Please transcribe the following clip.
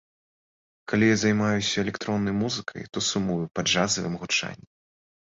Калі я займаюся электроннай музыкай, то сумую па джазавым гучанні.